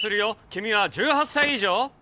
君は１８歳以上？